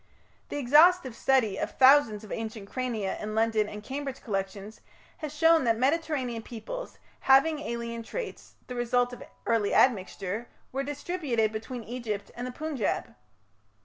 The exhaustive study of thousands of ancient crania in London and Cambridge collections has shown that Mediterranean peoples, having alien traits, the result of early admixture, were distributed between Egypt and the Punjab.